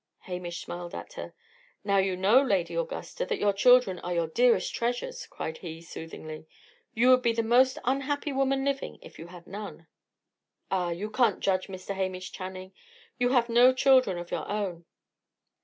Hamish smiled at her. "Now you know, Lady Augusta, that your children are your dearest treasures," cried he, soothingly. "You would be the most unhappy woman living if you had none." "Ah! you can't judge, Mr. Hamish Channing. You have no children of your own."